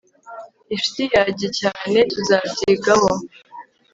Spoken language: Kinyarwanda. incuti yajye cyane tuzabyigaho